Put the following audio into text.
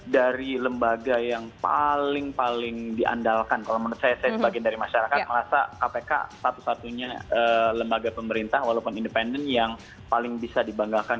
dari lembaga yang paling paling diandalkan kalau menurut saya saya sebagian dari masyarakat merasa kpk satu satunya lembaga pemerintah walaupun independen yang paling bisa dibanggakan